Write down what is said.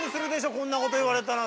こんなこと言われたらさ。